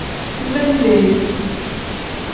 Bidenleeri.